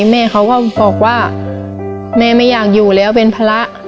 แม่เขาก็บอกว่าแม่ไม่อยากอยู่แล้วเป็นพระ